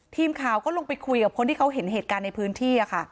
ทีมข่าวก็ลงไปคุยกับคนที่เขาเห็นเหตุการณ์ในพื้นที่ค่ะ